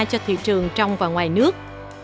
cho thị trường trong và ngoài nước